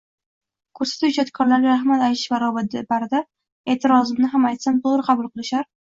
Koʻrsatuv ijodkorlariga rahmat aytish barobarida eʼtirozimni ham aytsam, toʻgʻri qabul qilishar.